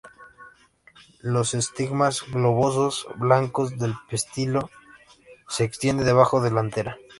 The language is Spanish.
Los estigmas globosos, blancos, del pistilo se extienden debajo de la antera.